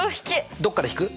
どっから引く？